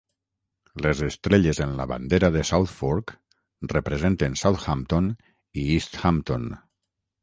Les estrelles en la bandera de South Fork representen Southampton i East Hampton.